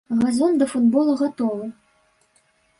Газон да футбола гатовы.